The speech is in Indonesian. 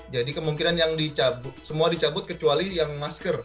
jadi kemungkinan yang semua dicabut kecuali yang masker